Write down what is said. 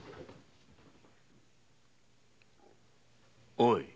・おい！